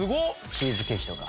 チーズケーキとか。